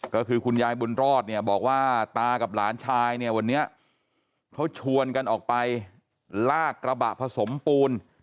ก็คือคุณยายบุญรอดเนี่ยบอกว่าตากับหลานชายเนี่ยวันนี้เขาชวนกันออกไปลากกระบะผสมปูน